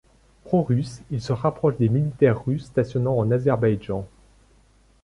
Pro-russe, il se rapproche des militaires russes stationnant en Azerbaïdjan.